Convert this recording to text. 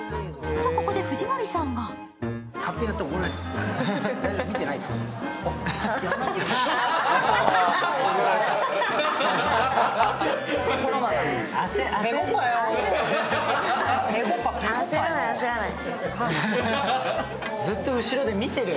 と、ここで藤森さんが焦らない焦らない。